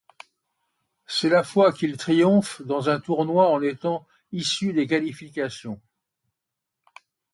C'est la fois qu'il triomphe dans un tournoi en étant issu des qualifications.